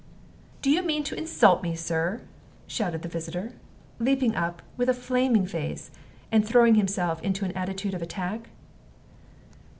"Do you mean to insult me, Sir?" shouted the visitor, leaping up with a flaming face, and throwing himself into an attitude of attack.